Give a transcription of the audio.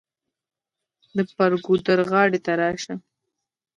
د بر ګودر غاړې ته راشه.